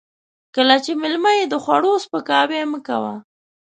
کله چې مېلمه يې د خوړو سپکاوی مه کوه.